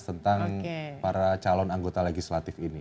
tentang para calon anggota legislatif ini